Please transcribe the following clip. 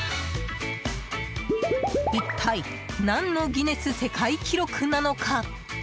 一体、何のギネス世界記録なのか。